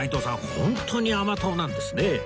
ホントに甘党なんですね